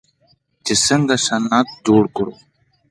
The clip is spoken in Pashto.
چې څنګه صنعت جوړ کړو.